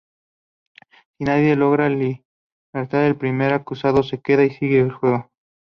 Si nadie logra libertar el primer acusado se queda y sigue el juego.